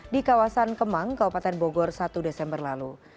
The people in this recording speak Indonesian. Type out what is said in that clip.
di kawasan kemang kabupaten bogor satu desember lalu